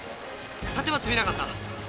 立松見なかった？